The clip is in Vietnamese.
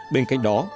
bên cạnh đó